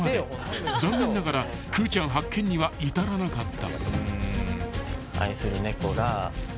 ［残念ながらくーちゃん発見には至らなかった］